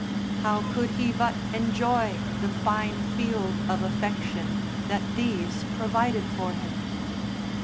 How could he but enjoy the fine field of affection that these provided for him?